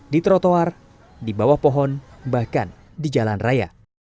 di trotoar di bawah pohon bahkan di jalan raya